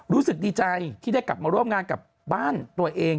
รู้สึกดีใจที่ได้กลับมาร่วมงานกับบ้านตัวเอง